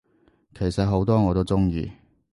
其實好多我都鍾意